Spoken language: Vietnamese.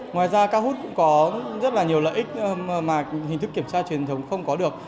ngoài ra cao hút cũng có rất là nhiều lợi ích mà hình thức kiểm tra truyền thống không có được